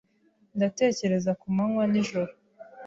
Ndatekereza kumanywa n'ijoro.